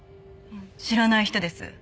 知らない人です。